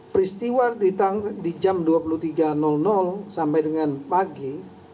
peristiwa di jam dua puluh tiga sampai dengan pagi